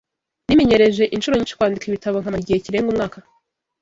Nimenyereje ishuro nyinshi kwandika ibitabo nkamara igihe kirenga umwaka.